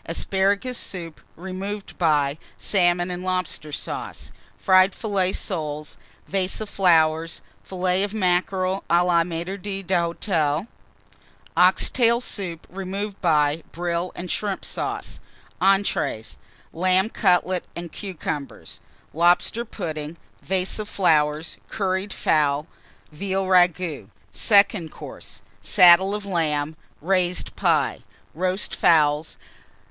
_ Asparagus Soup, removed by Salmon and Lobster Sauce. Fried Filleted Vase of Fillets of Mackerel, Soles Flowers. à la Maître d'Hôtel. Oxtail Soup, removed by Brill & Shrimp Sauce. Entrées. Lamb Cutlets and Cucumbers. Lobster Pudding. Vase of Curried Fowl. Flowers. Veal Ragoût. Second Course. Saddle of Lamb. Raised Pie. Roast Fowls.